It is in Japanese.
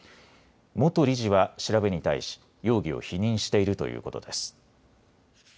元理事は調べに対し容疑を否認しているということです。